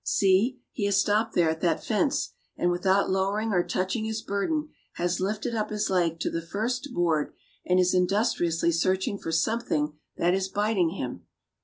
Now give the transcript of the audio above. See, he has stopped there at that fence, and without lowering, or touching his burden has lifted up his leg to the first' board, and is industriously searching for something that is biting him.